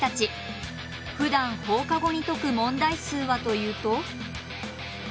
ふだん放課後に解く問題数はというと。